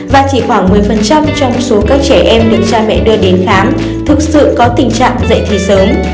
và chỉ khoảng một mươi trong số các trẻ em được cha mẹ đưa đến khám thực sự có tình trạng dạy thì sớm